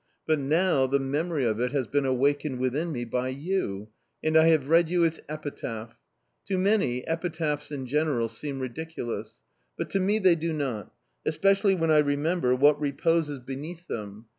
But, now, the memory of it has been awakened within me by you, and I have read you its epitaph. To many, epitaphs in general seem ridiculous, but to me they do not; especially when I remember what reposes beneath them.